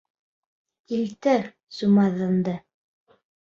Килтер сумаҙанды!